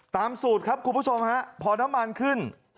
สูตรครับคุณผู้ชมฮะพอน้ำมันขึ้น